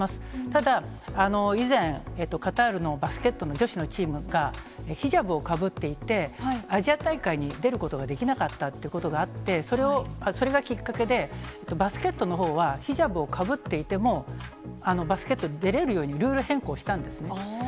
ただ、以前、カタールのバスケットの女子のチームがヒジャブをかぶっていて、アジア大会に出ることができなかったということがあって、それがきっかけで、バスケットのほうは、ヒジャブをかぶっていても、バスケット出れるように、ルール変更したんですね。